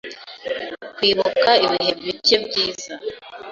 Kwibuka ibihe bike byiza